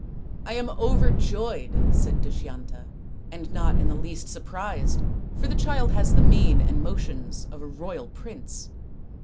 " I am overjoyed," said Dushyanta, " and not in the least surprised, for the child has the mien and motions of a royal prince.